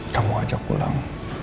kamu ajak pulang